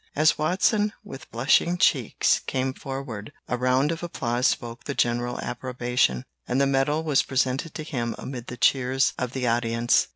As Watson, with blushing cheeks, came forward, a round of applause spoke the general approbation, and the medal was presented to him amid the cheers of the audience.